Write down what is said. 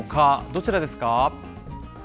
どちらですか？